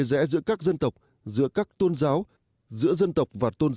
mục tiêu quan điểm